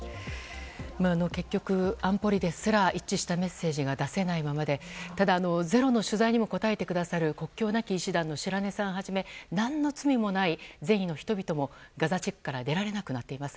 結局、安保理ですら一致したメッセージが出せないままで「ｚｅｒｏ」の取材にも答えてくださる国境なき医師団の白根さんはじめ何の罪のない善意の人々もガザ地区から出られなくなっています。